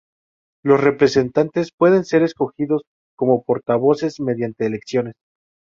Los representantes pueden ser escogidos como portavoces mediante elecciones.